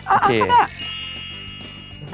เอาค่ะได้